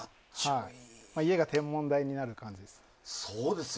家が天文台になる感じです。